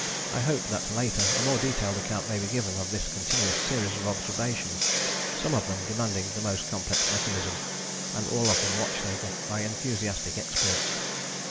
I hope that later a more detailed account may be given of this continuous series of observations, some of them demanding the most complex mechanism, and all of them watched over by enthusiastic experts.